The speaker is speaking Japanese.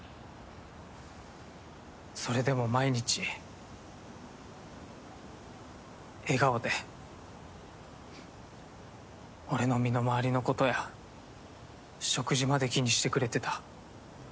それでも毎日笑顔で俺の身の回りのことや食事まで気にしてくれてた。